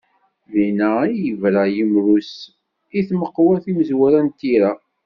Dinna i d-yebra yimru-s, i tmeqwa timezwura n tira.